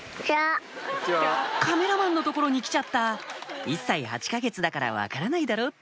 カメラマンの所に来ちゃった１歳８か月だから分からないだろう！